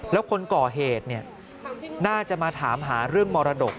แล้วคนก่อเหตุน่าจะมาถามหาเรื่องมรดก